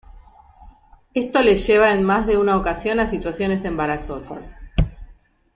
Esto les lleva en más de una ocasión a situaciones embarazosas.